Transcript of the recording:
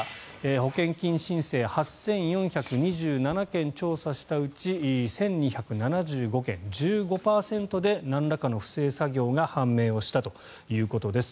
保険金申請８４２７件調査したうち１２７５件、１５％でなんらかの不正作業が判明をしたということです。